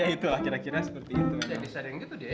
ya itu lah kira kira seperti itu